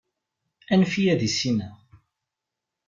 Anef-iyi ad issineɣ.